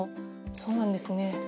そうなんですね。